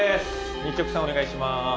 日直さんお願いします。